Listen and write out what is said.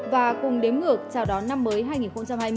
và cùng đếm ngược chào đón năm mới hai nghìn hai mươi